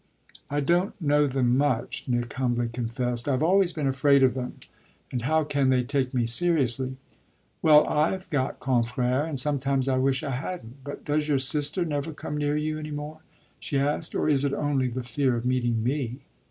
"I don't know them much," Nick humbly confessed. "I've always been afraid of them, and how can they take me seriously?" "Well, I've got confrères, and sometimes I wish I hadn't! But does your sister never come near you any more," she asked, "or is it only the fear of meeting me?"